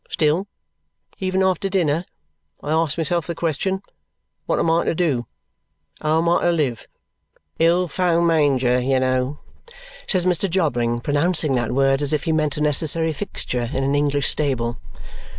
Still, even after dinner, I ask myself the question, What am I to do? How am I to live? Ill fo manger, you know," says Mr. Jobling, pronouncing that word as if he meant a necessary fixture in an English stable.